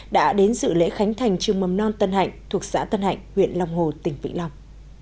đã đến dự lễ khánh thành trường mầm non tân hạnh thuộc xã tân hạnh huyện long hồ tỉnh vĩnh long